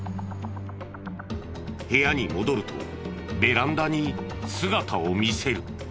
部屋に戻るとベランダに姿を見せる。